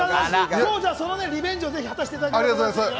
今日、そのリベンジをぜひ果たしていただきましょう。